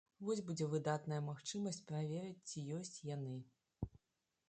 Вось будзе выдатная магчымасць праверыць, ці ёсць яны.